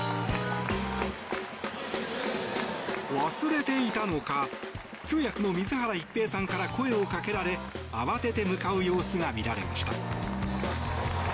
忘れていたのか通訳の水原一平さんから声をかけられ慌てて向かう様子が見られました。